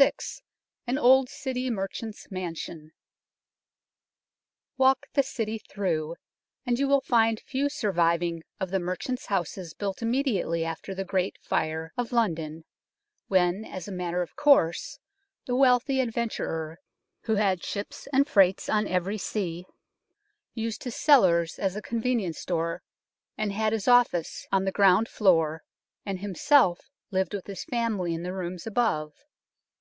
VI AN OLD CITY MERCHANT'S MANSION WALK the City through, and you will find few surviving of the merchants' houses built immediately after the Great Fire of London when, as a matter of course, the wealthy adventurer who had ships and freights on every sea used his cellars as a con venient store, and had his office on the ground floor, and himself lived with his family in the rooms above.